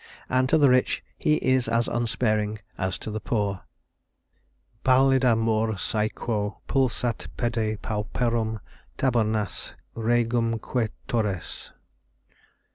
And to the rich he is as unsparing as to the poor. "Pallida Mors æquo pulsat pede pauperum tabernas regumque turres."